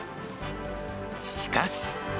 しかし。